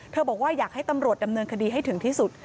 บอกว่าอยากให้ตำรวจดำเนินคดีให้ถึงที่สุด